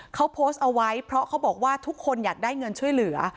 เขาโพสต์เอาไว้เพราะเขาบอกว่าทุกคนอยากได้เงินช่วยเหลือ